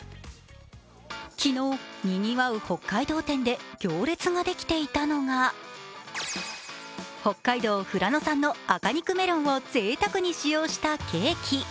昨日、にぎわう北海道展で行列ができていたのが北海道富良野産の赤肉メロンをぜいたくに使用したケーキ。